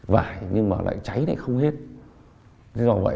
đúng mặc áo như thế này